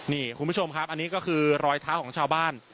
นี่คุณผู้ชมครับอันนี้ก็คือรอยเท้าของชาวบ้าน